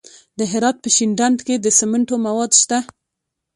د هرات په شینډنډ کې د سمنټو مواد شته.